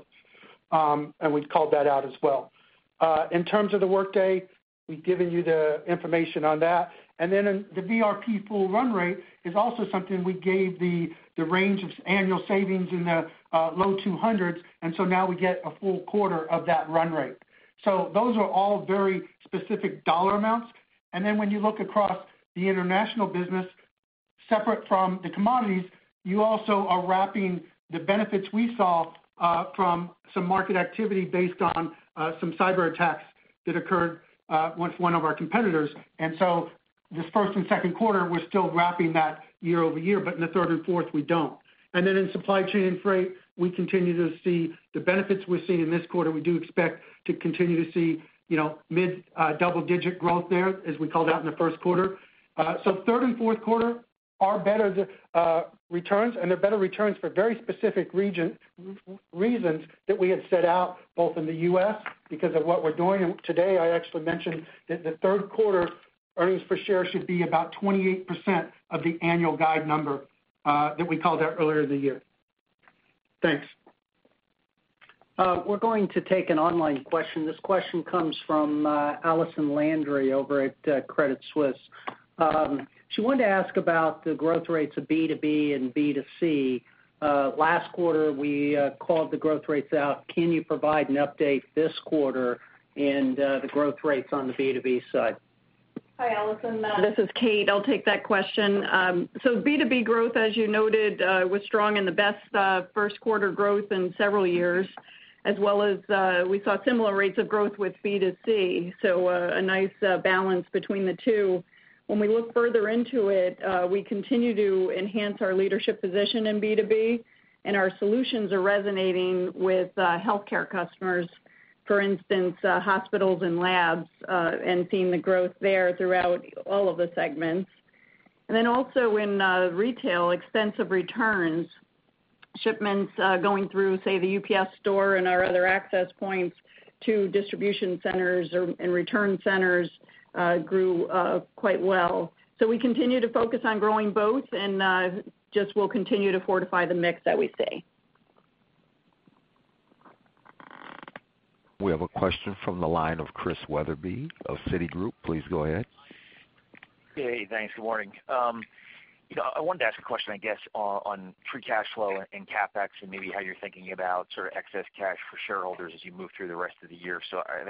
we've called that out as well. In terms of the workday, we've given you the information on that. The VRP full run rate is also something we gave the range of annual savings in the low two hundreds, now we get a full quarter of that run rate. Those are all very specific dollar amounts. When you look across the international business, separate from the commodities, you also are wrapping the benefits we saw from some market activity based on some cyber attacks that occurred with one of our competitors. This first and second quarter, we're still wrapping that year-over-year, but in the third and fourth we don't. In supply chain and freight, we continue to see the benefits we're seeing in this quarter. We do expect to continue to see mid double-digit growth there as we called out in the first quarter. Third and fourth quarter are better returns, they're better returns for very specific reasons that we had set out both in the U.S. because of what we're doing. Today, I actually mentioned that the third quarter earnings per share should be about 28% of the annual guide number that we called out earlier in the year. Thanks. We're going to take an online question. This question comes from Allison Landry over at Credit Suisse. She wanted to ask about the growth rates of B2B and B2C. Last quarter, we called the growth rates out. Can you provide an update this quarter and the growth rates on the B2B side? Hi, Allison. This is Kate. I'll take that question. B2B growth, as you noted, was strong in the best first quarter growth in several years, as well as we saw similar rates of growth with B2C. A nice balance between the two. When we look further into it, we continue to enhance our leadership position in B2B, and our solutions are resonating with healthcare customers, for instance, hospitals and labs, and seeing the growth there throughout all of the segments. Also in retail, extensive returns, shipments going through, say, The UPS Store and our other access points to distribution centers and return centers grew quite well. We continue to focus on growing both and just we'll continue to fortify the mix that we see. We have a question from the line of Chris Wetherbee of Citigroup. Please go ahead. Hey, thanks. Good morning. I wanted to ask a question, I guess, on free cash flow and CapEx and maybe how you're thinking about excess cash for shareholders as you move through the rest of the year.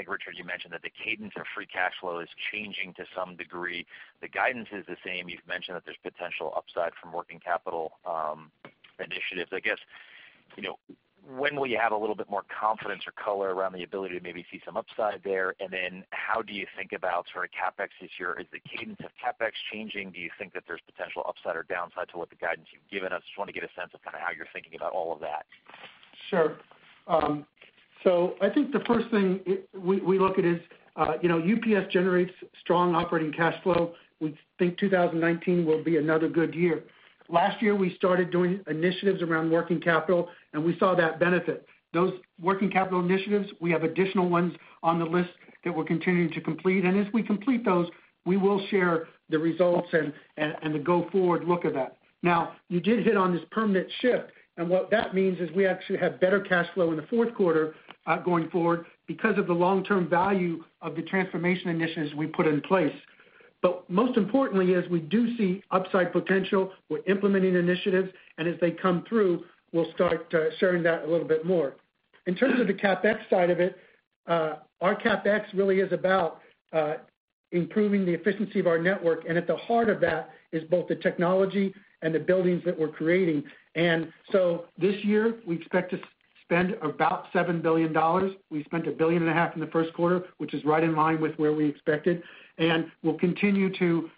Richard, you mentioned that the cadence of free cash flow is changing to some degree. The guidance is the same. You've mentioned that there's potential upside from working capital initiatives. I guess, when will you have a little bit more confidence or color around the ability to maybe see some upside there? How do you think about CapEx this year? Is the cadence of CapEx changing? Do you think that there's potential upside or downside to what the guidance you've given us? Just want to get a sense of how you're thinking about all of that. Sure. I think the first thing we look at is UPS generates strong operating cash flow. We think 2019 will be another good year. Last year, we started doing initiatives around working capital, and we saw that benefit. Those working capital initiatives, we have additional ones on the list that we're continuing to complete. As we complete those, we will share the results and the go-forward look of that. You did hit on this permanent shift, and what that means is we actually have better cash flow in the fourth quarter going forward because of the long-term value of the transformation initiatives we put in place. Most importantly is we do see upside potential. We're implementing initiatives, and as they come through, we'll start sharing that a little bit more. In terms of the CapEx side of it, our CapEx really is about improving the efficiency of our network, at the heart of that is both the technology and the buildings that we're creating. This year, we expect to spend about $7 billion. We spent a billion and a half in the first quarter, which is right in line with where we expected, we'll continue to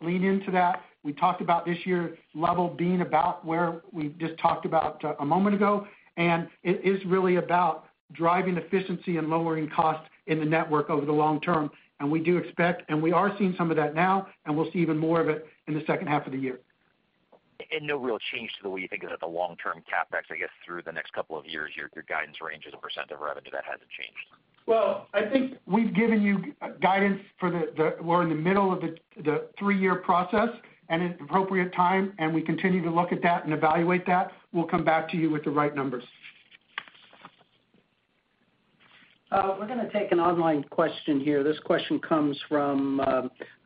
lean into that. We talked about this year's level being about where we just talked about a moment ago, it is really about driving efficiency and lowering costs in the network over the long term. We do expect, we are seeing some of that now, we'll see even more of it in the second half of the year. No real change to the way you think about the long-term CapEx, I guess, through the next couple of years, your guidance range as a % of revenue, that hasn't changed? Well, I think we've given you guidance for the, we're in the middle of the three-year process, at the appropriate time, we continue to look at that and evaluate that. We'll come back to you with the right numbers. We're going to take an online question here. This question comes from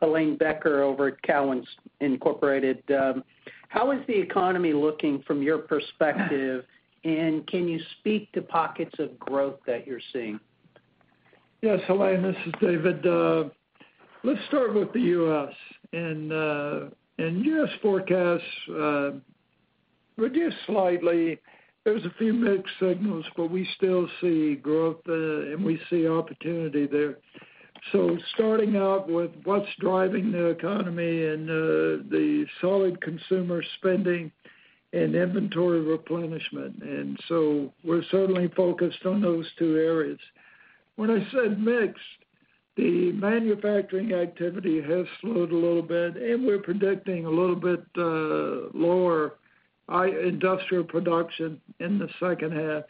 Helane Becker over at Cowen Inc. How is the economy looking from your perspective, can you speak to pockets of growth that you're seeing? Yes, Helane, this is David. U.S. forecasts reduced slightly. There's a few mixed signals, but we still see growth there, and we see opportunity there. Starting out with what's driving the economy and the solid consumer spending and inventory replenishment. We're certainly focused on those two areas. When I said mixed. The manufacturing activity has slowed a little bit, and we're predicting a little bit lower industrial production in the second half.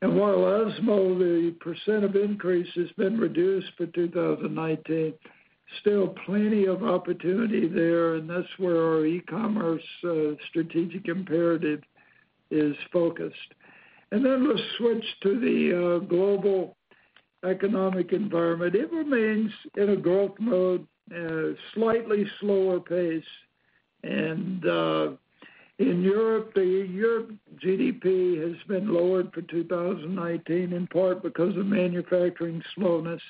While [also], the % of increase has been reduced for 2019, still plenty of opportunity there, and that's where our e-commerce strategic imperative is focused. Let's switch to the global economic environment. It remains in a growth mode at a slightly slower pace. In Europe, the Europe GDP has been lowered for 2019, in part because of manufacturing slowness.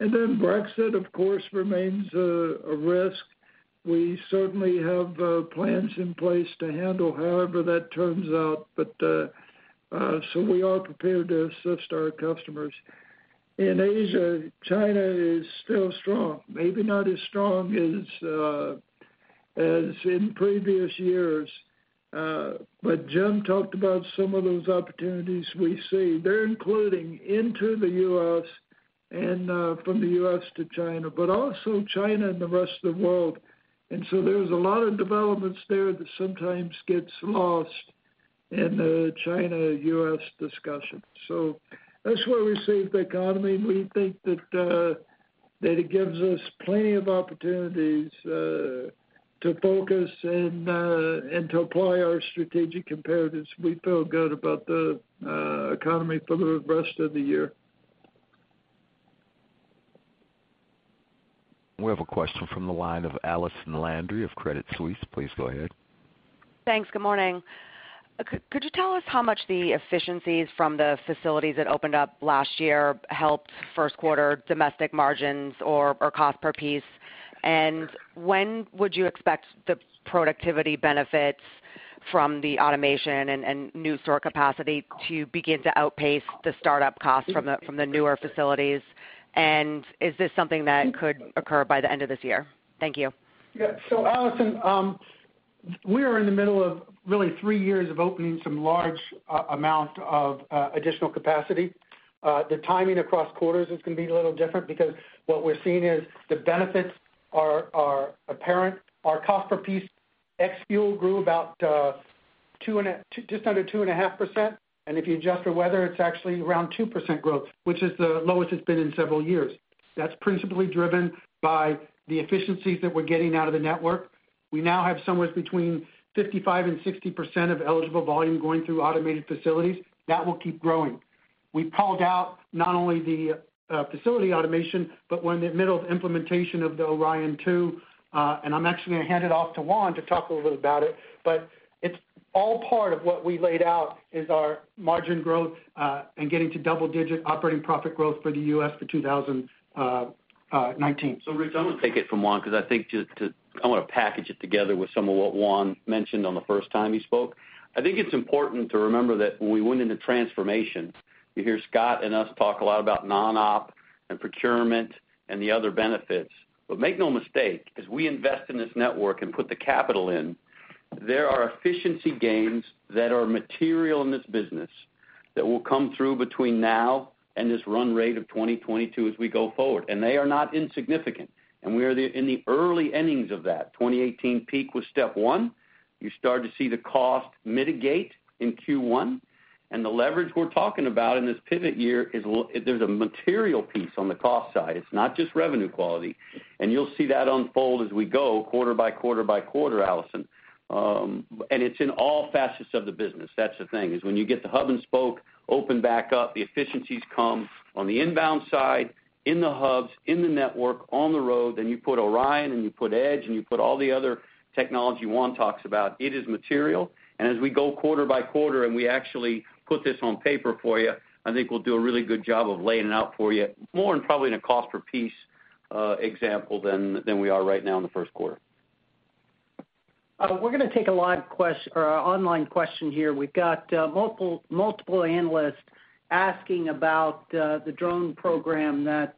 Brexit, of course, remains a risk. We certainly have plans in place to handle however that turns out. We are prepared to assist our customers. In Asia, China is still strong, maybe not as strong as in previous years. Jim talked about some of those opportunities we see. They're including into the U.S. and from the U.S. to China, but also China and the rest of the world. There's a lot of developments there that sometimes gets lost in the China-U.S. discussion. That's where we see the economy, and we think that it gives us plenty of opportunities to focus and to apply our strategic imperatives. We feel good about the economy for the rest of the year. We have a question from the line of Allison Landry of Credit Suisse. Please go ahead. Thanks. Good morning. Could you tell us how much the efficiencies from the facilities that opened up last year helped first quarter domestic margins or cost per piece? When would you expect the productivity benefits from the automation and new store capacity to begin to outpace the startup costs from the newer facilities? Is this something that could occur by the end of this year? Thank you. Yeah. Allison, we are in the middle of really 3 years of opening some large amount of additional capacity. The timing across quarters is going to be a little different because what we're seeing is the benefits are apparent. Our cost per piece ex fuel grew about just under 2.5%. If you adjust for weather, it's actually around 2% growth, which is the lowest it's been in several years. That's principally driven by the efficiencies that we're getting out of the network. We now have somewhere between 55%-60% of eligible volume going through automated facilities. That will keep growing. We called out not only the facility automation, but we're in the middle of implementation of the ORION 2.0. I'm actually going to hand it off to Juan to talk a little bit about it, but it's all part of what we laid out is our margin growth, and getting to double-digit operating profit growth for the U.S. for 2019. Rich, I want to take it from Juan because I think I want to package it together with some of what Juan mentioned the first time he spoke. I think it's important to remember that when we went into transformation, you hear Scott and us talk a lot about non-op and procurement and the other benefits. Make no mistake, as we invest in this network and put the capital in, there are efficiency gains that are material in this business that will come through between now and this run rate of 2022 as we go forward. They are not insignificant. We are in the early innings of that. 2018 peak was step 1. You start to see the cost mitigate in Q1. The leverage we're talking about in this pivot year, there's a material piece on the cost side. It's not just revenue quality. You'll see that unfold as we go quarter by quarter by quarter, Allison. It's in all facets of the business. That's the thing, is when you get the hub and spoke open back up, the efficiencies come on the inbound side, in the hubs, in the network, on the road. You put ORION and you put Edge and you put all the other technology Juan talks about. It is material. As we go quarter by quarter and we actually put this on paper for you, I think we'll do a really good job of laying it out for you more in probably in a cost per piece example than we are right now in the first quarter. We're going to take an online question here. We've got multiple analysts asking about the drone program that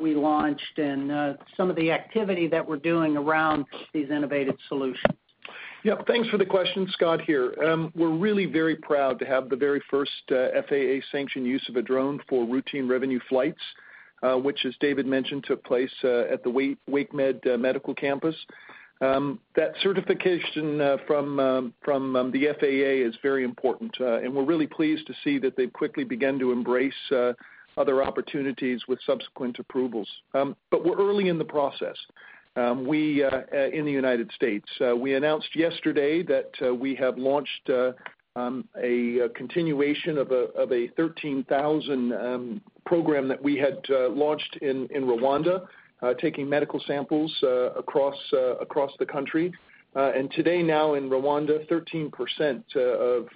we launched and some of the activity that we're doing around these innovative solutions. Yep. Thanks for the question. Scott here. We're really very proud to have the very first FAA-sanctioned use of a drone for routine revenue flights, which as David mentioned, took place at the WakeMed medical campus. That certification from the FAA is very important. We're really pleased to see that they've quickly begun to embrace other opportunities with subsequent approvals. We're early in the process in the United States. We announced yesterday that we have launched a continuation of a 13,000 program that we had launched in Rwanda, taking medical samples across the country. Today now in Rwanda, 30% of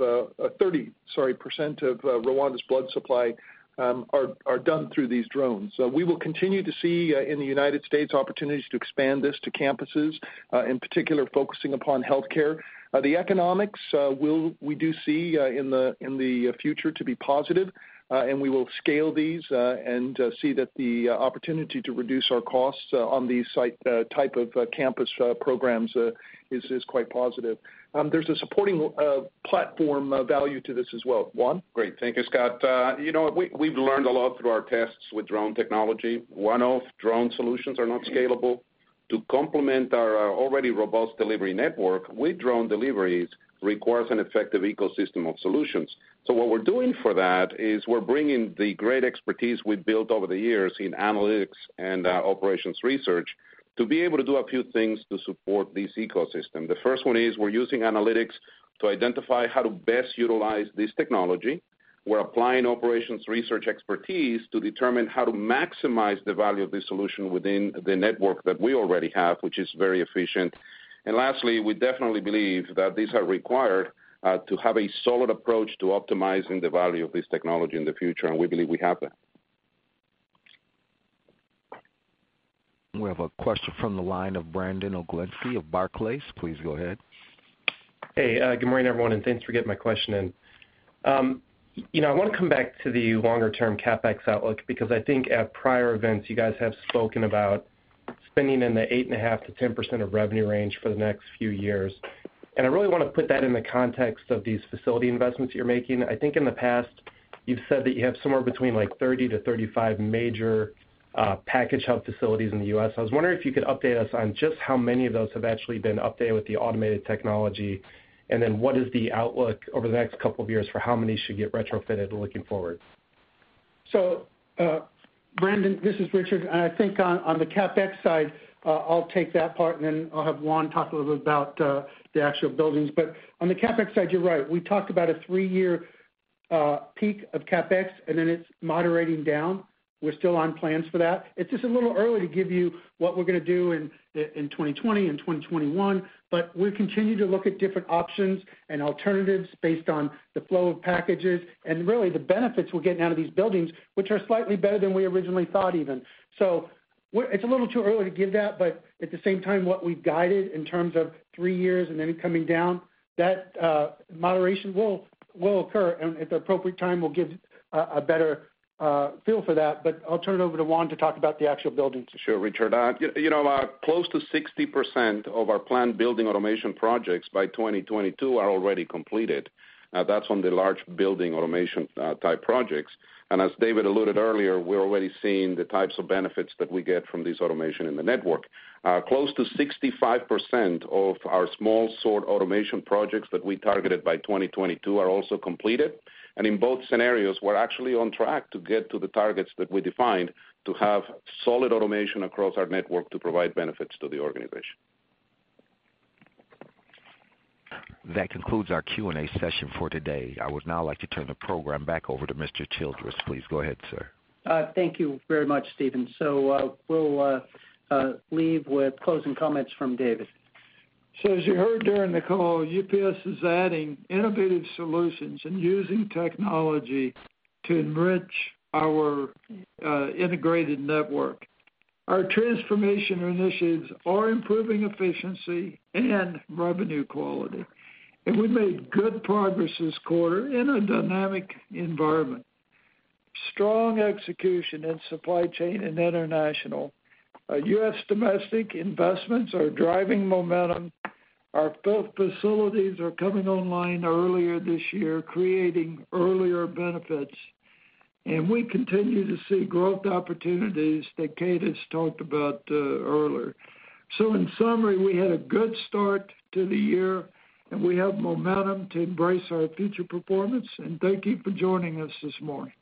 Rwanda's blood supply are done through these drones. We will continue to see in the United States opportunities to expand this to campuses, in particular focusing upon healthcare. The economics we do see in the future to be positive. We will scale these and see that the opportunity to reduce our costs on these site type of campus programs is quite positive. There's a supporting platform value to this as well. Juan? Great. Thank you, Scott. We've learned a lot through our tests with drone technology. One-off drone solutions are not scalable To complement our already robust delivery network with drone deliveries requires an effective ecosystem of solutions. What we're doing for that is we're bringing the great expertise we've built over the years in analytics and operations research to be able to do a few things to support this ecosystem. The first one is we're using analytics to identify how to best utilize this technology. We're applying operations research expertise to determine how to maximize the value of this solution within the network that we already have, which is very efficient. Lastly, we definitely believe that these are required to have a solid approach to optimizing the value of this technology in the future, and we believe we have that. We have a question from the line of Brandon Oglenski of Barclays. Please go ahead. Hey, good morning, everyone, and thanks for getting my question in. I want to come back to the longer-term CapEx outlook because I think at prior events you guys have spoken about spending in the 8.5%-10% of revenue range for the next few years. I really want to put that in the context of these facility investments you're making. I think in the past you've said that you have somewhere between 30-35 major package hub facilities in the U.S. I was wondering if you could update us on just how many of those have actually been updated with the automated technology, and then what is the outlook over the next couple of years for how many should get retrofitted looking forward? Brandon, this is Richard. I think on the CapEx side, I'll take that part, then I'll have Juan talk a little bit about the actual buildings. On the CapEx side, you're right. We talked about a three-year peak of CapEx, then it's moderating down. We're still on plans for that. It's just a little early to give you what we're going to do in 2020 and 2021. We continue to look at different options and alternatives based on the flow of packages and really the benefits we're getting out of these buildings, which are slightly better than we originally thought, even. It's a little too early to give that, but at the same time, what we've guided in terms of three years and then coming down, that moderation will occur, at the appropriate time, we'll give a better feel for that. I'll turn it over to Juan to talk about the actual buildings. Sure, Richard. Close to 60% of our planned building automation projects by 2022 are already completed. That's on the large building automation type projects. As David alluded earlier, we're already seeing the types of benefits that we get from this automation in the network. Close to 65% of our small sort automation projects that we targeted by 2022 are also completed. In both scenarios, we're actually on track to get to the targets that we defined to have solid automation across our network to provide benefits to the organization. That concludes our Q&A session for today. I would now like to turn the program back over to Mr. Childress. Please go ahead, sir. Thank you very much, Steven. We'll leave with closing comments from David. As you heard during the call, UPS is adding innovative solutions and using technology to enrich our integrated network. Our transformation initiatives are improving efficiency and revenue quality. We made good progress this quarter in a dynamic environment. Strong execution in supply chain and international. U.S. domestic investments are driving momentum. Our facilities are coming online earlier this year, creating earlier benefits. We continue to see growth opportunities that Kate has talked about earlier. In summary, we had a good start to the year, and we have momentum to embrace our future performance. Thank you for joining us this morning.